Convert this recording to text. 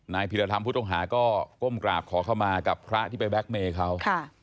พิรธรรมผู้ต้องหาก็ก้มกราบขอเข้ามากับพระที่ไปแล็กเมย์เขา